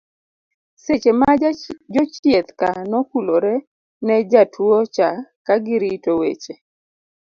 seche ma jochieth ka nokulore ne jatua cha kagirito weche